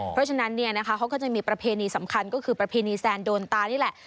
เพราะฉะนั้นเนี่ยนะคะเขาก็จะมีประเพณีสำคัญก็คือประเพณีแซนโดนตานี่แหละ